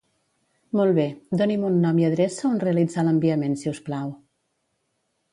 Molt bé, doni'm un nom i adreça on realitzar l'enviament si us plau.